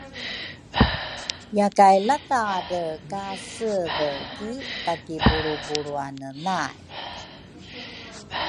Yakay latadre ka seve ki takibulrubulruane nay